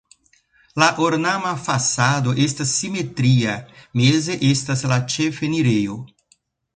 La ornama fasado estas simetria, meze estas la ĉefenirejo.